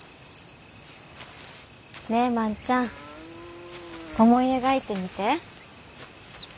ねえ万ちゃん思い描いてみて。